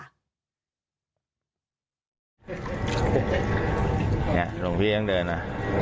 เนี่ยหลวงพี่ยังเดินนะ